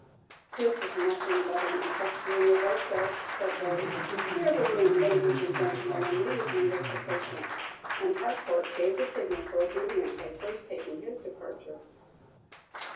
"This is nothing but an accessio nervosa," said Billy; "clear the room, ladies and gentlemen, and lave me with the patient." And Harcourt gave the signal for obedience by first taking his departure.